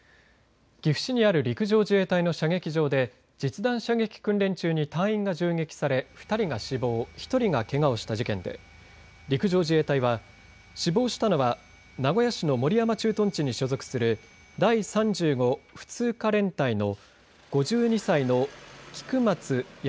岐阜市にある陸上自衛隊の射撃場で実弾射撃訓練中に隊員が銃撃され２人が死亡、１人がけがをした事件で陸上自衛隊は死亡したのは名古屋市の守山駐屯地に所属する第３５普通科連隊の５２歳の菊松安